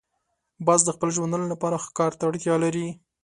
باز د خپل ژوندانه لپاره ښکار ته اړتیا لري